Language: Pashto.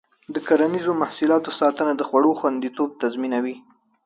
د کرنیزو محصولاتو ساتنه د خوړو خوندیتوب تضمینوي.